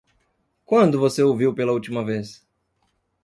Quando você o viu pela última vez?